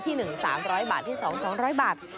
ที่๑สามร้อยบาทที่๒สองร้อยบาท